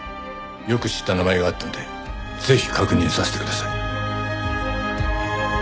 よく知った名前があったのでぜひ確認させてください。